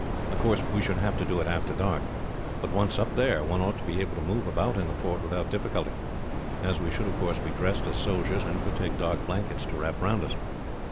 Of course, we should have to do it after dark; but once up there, one ought to be able to move about in the fort without difficulty, as we should, of course, be dressed as soldiers, and could take dark blankets to wrap round us.